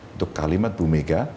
itu kalimat bumega